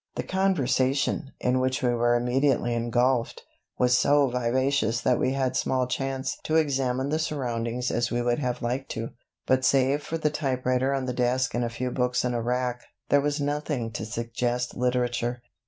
The conversation, in which we were immediately engulfed, was so vivacious that we had small chance to examine the surroundings as we would have liked to. But save for the typewriter on the desk and a few books in a rack, there was nothing to suggest literature.